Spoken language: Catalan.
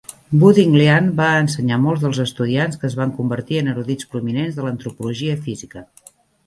Wu Dingliang va ensenyar molts dels estudiants que es van convertir en erudits prominents de l'antropologia física.